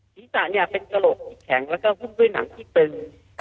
ศีรษะเป็นกระโหลกที่แข็งแล้วก็หุ้มด้วยหนังที่ตึง